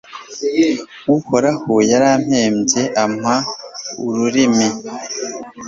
uhoraho yarampembye, ampa ururimi